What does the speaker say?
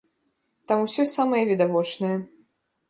Там усё самае відавочнае.